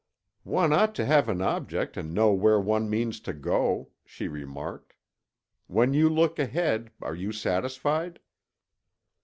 "One ought to have an object and know where one means to go," she remarked. "When you look ahead, are you satisfied?"